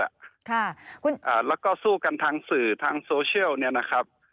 และสู้กันทางสื่อทางโซเชียลนะครับ